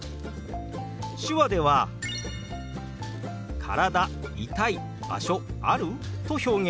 手話では「体痛い場所ある？」と表現します。